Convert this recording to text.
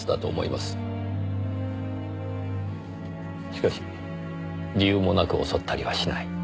しかし理由もなく襲ったりはしない。